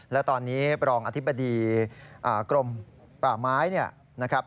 และตอนนี้รองอธิบดีกรมป่าไม้เนี่ยนะครับ